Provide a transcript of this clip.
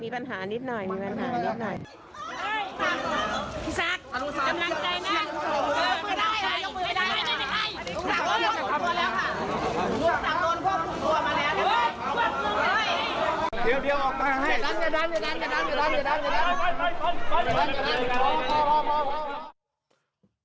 มีปัญหานิดหน่อยมีปัญหาเยอะหน่อย